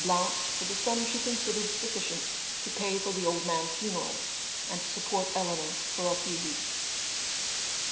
Blount for the sum she considered suffi cient to pay for the old man's funeral, and to support Eleanor for a few weeks.